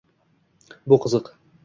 Bu qiziq